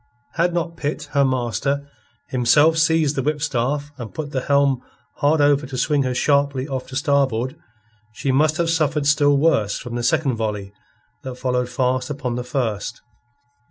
Had not Pitt, her master, himself seized the whipstaff and put the helm hard over to swing her sharply off to starboard, she must have suffered still worse from the second volley that followed fast upon the first.